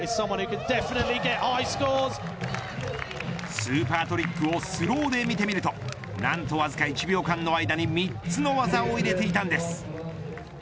スーパートリックをスローで見てみると何とわずか１秒間の間に３つの技を入れていたんです。